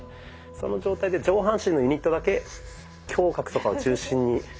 その状態で上半身のユニットだけ胸郭とかを中心に。